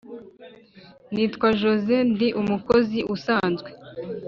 nitwa josseé ndi umukozi usanzwe